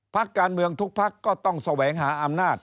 พักการเมืองทุกพักก็ต้องแสวงหาอำนาจ